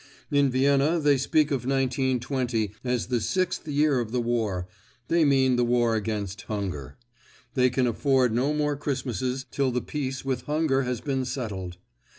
In Vienna they speak of 1920 as the sixth year of the war—they mean the war against hunger. They can afford no more Christmases till the Peace with Hunger has been settled.